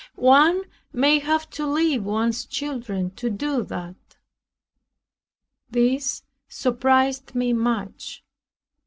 One may have to leave one's children to do that." This surprised me much.